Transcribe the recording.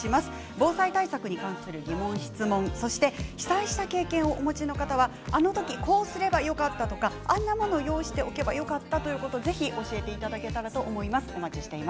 防災対策に関する疑問、質問そして、被災した経験をお持ちの方はあの時こうすればよかったとかあんなものを用意しておけばよかったということを、ぜひ教えていただけたらと思います。